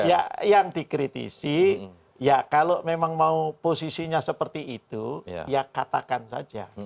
ya yang dikritisi ya kalau memang mau posisinya seperti itu ya katakan saja